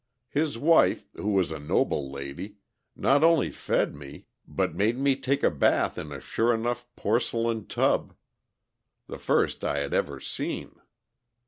His wife, who was a noble lady, not only fed me, but made me take a bath in a sure enough porcelain tub, the first I had ever seen.